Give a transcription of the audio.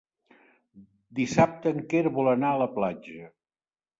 Dissabte en Quer vol anar a la platja.